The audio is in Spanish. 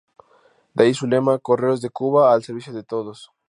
De ahí su lema: Correos de Cuba ¡Al servicio de todos!